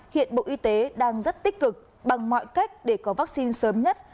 hiện bộ y tế đang rất tích cực bằng mọi cách để có vắc xin sớm nhất